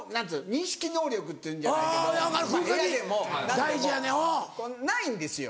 認識能力っていうんじゃないけど部屋でも何でもないんですよ。